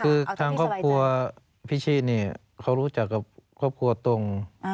คือทางครอบครัวพิชิตเนี่ยเขารู้จักกับครอบครัวตรง